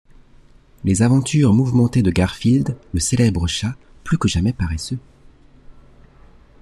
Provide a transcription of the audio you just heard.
Les aventures mouvementées de Garfield, le célèbre chat plus que jamais paresseux.